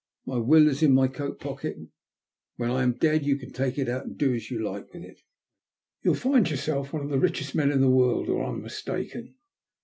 My will is in my coat pocket ; when I'm dead, you can take it out and do as you like with it. You'll find yourself one of the richest men in the world, or I'm mistaken.